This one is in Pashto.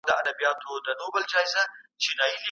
د بودیجي مسوده څوک جوړوي؟